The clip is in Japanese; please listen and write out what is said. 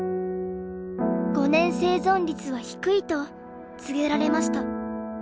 ５年生存率は低いと告げられました。